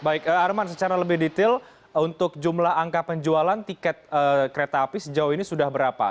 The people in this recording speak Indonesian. baik arman secara lebih detail untuk jumlah angka penjualan tiket kereta api sejauh ini sudah berapa